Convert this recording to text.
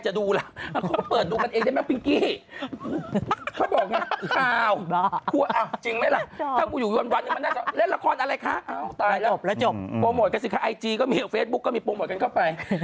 ซูอาทิตย์ก็มีโปรโมทเข้าไป